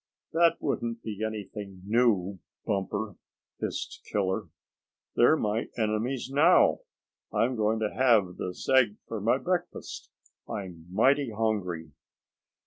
"That wouldn't be anything new, Bumper," hissed Killer. "They're my enemies now. I'm going to have this egg for my breakfast. I'm mighty hungry."